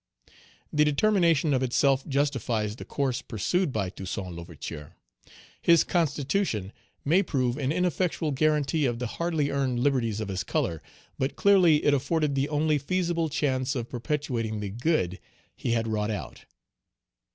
The determination of itself justifies the course pursued by Toussaint L'Ouverture. His constitution may prove an ineffectual guarantee of the hardly earned liberties of his color, but clearly it afforded the only feasible chance of perpetuating the good he had wrought out.